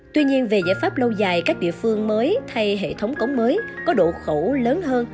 tuy nhiên về giải pháp lâu dài các địa phương mới thay hệ thống cống mới có độ khẩu lớn hơn